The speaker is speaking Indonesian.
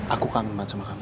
aku akan membantu sama kamu